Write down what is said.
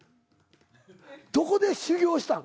どこで修業したの？